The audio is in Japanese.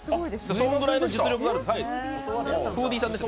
そんぐらいの実力があります。